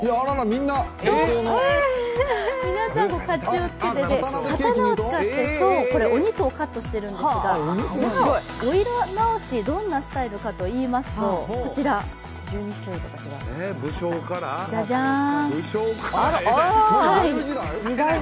皆さん、かっちゅうを着けてて、刀を使ってお肉をカットしてるんですがお色直し、どんなスタイルかといいますとジャジャン！